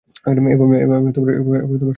এগুলো সব পোকা বাল।